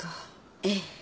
ええ。